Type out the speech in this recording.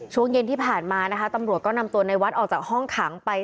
ช่วงเย็นที่ผ่านมานะคะตำรวจก็นำตัวในวัดออกจากห้องขังไป